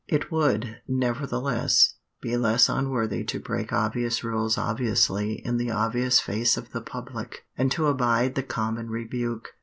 It would, nevertheless, be less unworthy to break obvious rules obviously in the obvious face of the public, and to abide the common rebuke.